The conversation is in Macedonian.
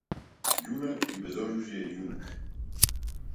Јунак и без оружје е јунак.